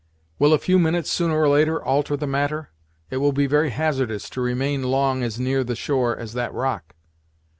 "Will a few minutes, sooner or later, alter the matter? It will be very hazardous to remain long as near the shore as that rock!"